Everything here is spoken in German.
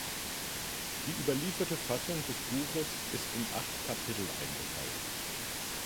Die überlieferte Fassung des Buches ist in acht Kapitel eingeteilt.